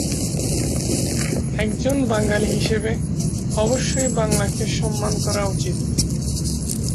এর আরো অনেকগুলো গ্রন্থের অনুলিপি তৈরি করারও তার সুযোগ হয়েছিলো।